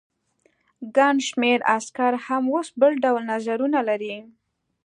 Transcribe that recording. ګڼ شمېر عسکر هم اوس بل ډول نظرونه لري.